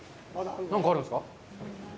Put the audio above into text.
何かあるんですか？